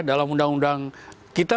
dalam undang undang kita